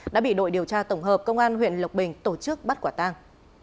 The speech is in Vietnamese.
đã bị đội điều tra tổng hợp công an huyện lộc bình tổ chức bắt quả tang